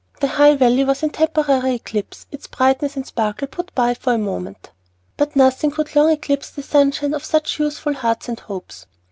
The High Valley was in temporary eclipse, its brightness and sparkle put by for the moment. But nothing could long eclipse the sunshine of such youthful hearts and hopes.